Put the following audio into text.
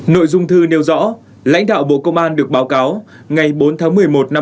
nội dung thư nêu rõ lãnh đạo bộ công an được báo cáo ngày bốn tháng một mươi một năm hai nghìn hai mươi